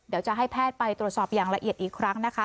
เดี๋ยวจะให้แพทย์ไปตรวจสอบอย่างละเอียดอีกครั้งนะคะ